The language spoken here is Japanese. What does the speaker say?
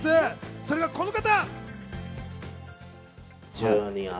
それがこの方。